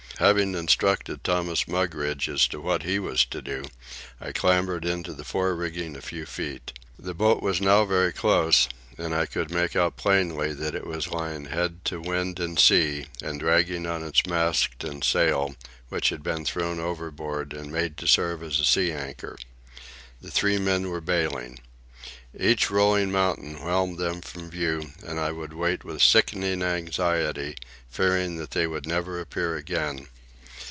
Having instructed Thomas Mugridge as to what he was to do, I clambered into the fore rigging a few feet. The boat was now very close, and I could make out plainly that it was lying head to wind and sea and dragging on its mast and sail, which had been thrown overboard and made to serve as a sea anchor. The three men were bailing. Each rolling mountain whelmed them from view, and I would wait with sickening anxiety, fearing that they would never appear again.